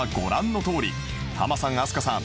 ハマさん飛鳥さん